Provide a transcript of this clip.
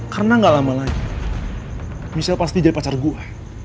karena gak lama lagi michelle pasti jadi pacar gue